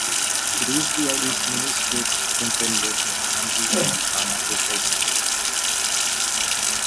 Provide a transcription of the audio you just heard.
It is the oldest manuscript to contain both the kanji and kana prefaces.